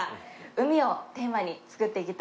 「海」をテーマに作っていきたいと思います。